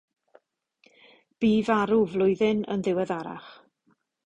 Bu farw flwyddyn yn ddiweddarach.